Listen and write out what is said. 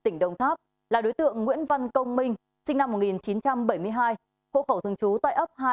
tỉnh đồng tháp là đối tượng nguyễn văn công minh sinh năm một nghìn chín trăm bảy mươi hai hộ khẩu thường trú tại ấp hai